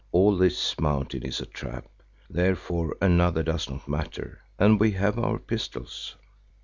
"All this mountain is a trap, therefore another does not matter, and we have our pistols."